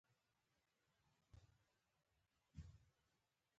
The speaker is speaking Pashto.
د خوب خونه پاکه او ارامه وساتئ.